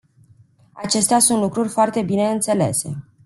Acestea sunt lucruri foarte bine înțelese.